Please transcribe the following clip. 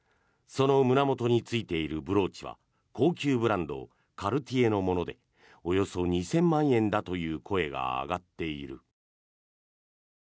その胸元についているブローチは高級ブランドカルティエのものでおよそ２０００万円だという声が上がっている。